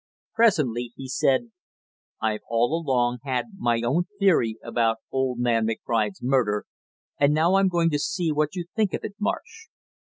Presently he said: "I've all along had my own theory about old man McBride's murder, and now I'm going to see what you think of it, Marsh."